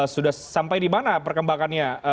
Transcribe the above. sudah sampai dimana perkembangannya